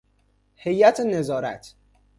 هیئت نظارت